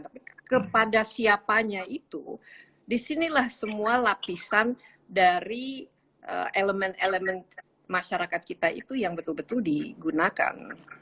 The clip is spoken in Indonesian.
tapi kepada siapanya itu disinilah semua lapisan dari elemen elemen masyarakat kita itu yang betul betul digunakan